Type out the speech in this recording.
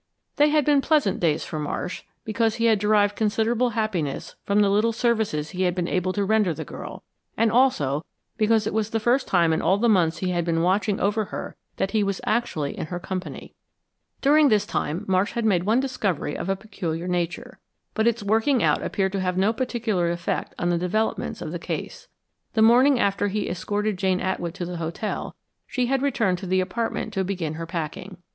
They had been pleasant days for Marsh, because he had derived considerable happiness from the little services he had been able to render the girl, and also because it was the first time in all the months he had been watching over her that he was actually in her company. During this time Marsh had made one discovery of a peculiar nature, but its working out appeared to have no particular effect on the developments of the case. The morning after he escorted Jane Atwood to the hotel, she had returned to the apartment to begin her packing.